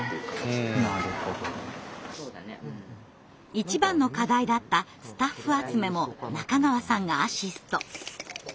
一番の課題だったスタッフ集めも中川さんがアシスト。